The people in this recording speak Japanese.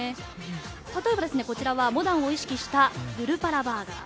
例えば、モダンを意識したグルパラバーガー。